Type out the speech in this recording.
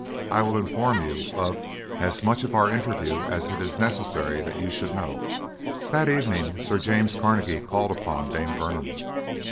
I will inform you of as much of our interview as it is necessary that you should know." That evening Sir James Carnegie called upon Dame Vernon.